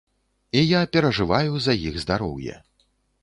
І я перажываю за іх здароўе.